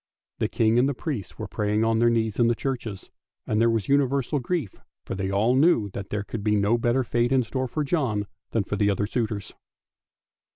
The King and the priests were praying on their knees in the churches, and there was universal grief, for they all knew that there could be no better fate in store for John than for the other suitors.